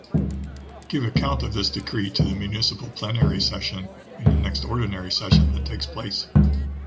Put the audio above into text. Give account of this decree to the municipal plenary session in the next ordinary session that takes place.